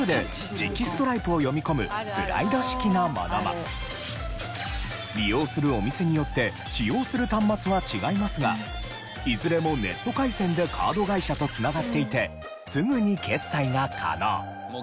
一部で利用するお店によって使用する端末は違いますがいずれもネット回線でカード会社と繋がっていてすぐに決済が可能。